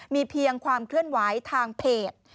มีเพียงความเคลื่อนไหวทางเพจ